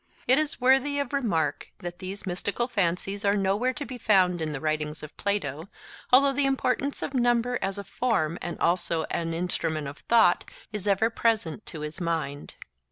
It is worthy of remark that these mystical fancies are nowhere to be found in the writings of Plato, although the importance of number as a form and also an instrument of thought is ever present to his mind.